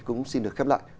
cũng xin được khép lại